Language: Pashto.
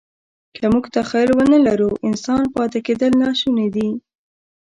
که موږ تخیل ونهلرو، انسان پاتې کېدل ناشوني دي.